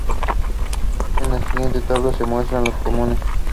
En la siguiente tabla se muestran los comunes.